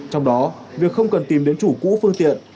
trong đó việc không cần tìm đến chủ cũ phương tiện